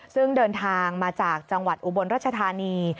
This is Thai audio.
ซึ่งเดินทางมาจากจังหวัดอุบลรัชธานี